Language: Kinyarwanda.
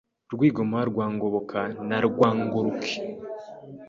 Rwigoma rwa Ngoboka na Rwangoruke